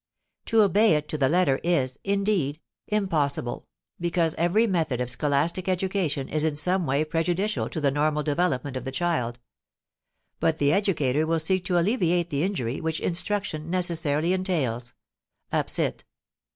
To obey it to the letter is, indeed, _impossible, because every method of scholastic education is in some way prejudicial to the normal development of the child_. But the educator will seek to alleviate the injury which instruction necessarily entails" (_op. cit.